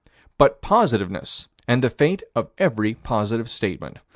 But positiveness and the fate of every positive statement.